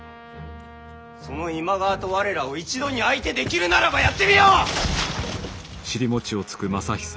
その今川と我らを一度に相手できるならばやってみよ！